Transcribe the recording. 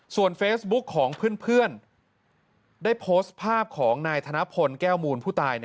ส่วนเฟซบุ๊กของเพื่อนได้โพสต์ภาพของนายธนพลแก้วมูลผู้ตาย